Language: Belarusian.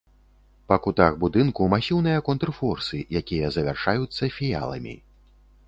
Па кутах будынку масіўныя контрфорсы, якія завяршаюцца фіяламі.